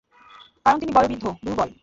কারণ, তিনি বয়োবৃদ্ধ, দুর্বল।